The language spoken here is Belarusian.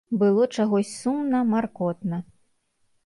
Было чагось сумна, маркотна.